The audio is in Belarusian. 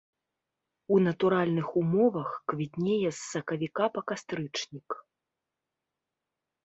У натуральных умовах квітнее з сакавіка па кастрычнік.